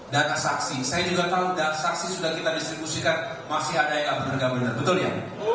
data saksi saya juga tahu data saksi sudah kita distribusikan masih ada yang bergabung ya